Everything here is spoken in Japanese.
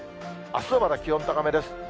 あすはまだ気温高めです。